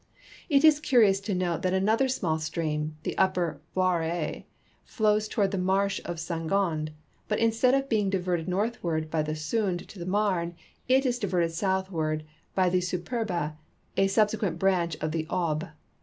It is curious to note that another small stream, the upper Vaure, fiows toward the marsh of St. Gond, but instead of being diverted northward by the Soude to the INIarne, it is diverted southward l)y the Superbe, a su])seciuent branch of the Aulje.